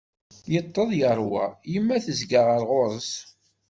Yeṭṭeḍ yerwa, yemma tezga ɣer ɣur-s.